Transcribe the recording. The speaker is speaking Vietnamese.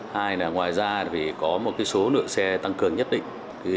hai là ngoài ra thì có một số lượng xe tăng cường nhất định